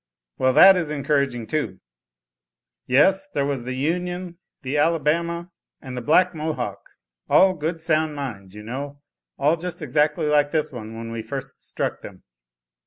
"Well, that is encouraging too." "Yes, there was the Union, the Alabama and the Black Mohawk all good, sound mines, you know all just exactly like this one when we first struck them."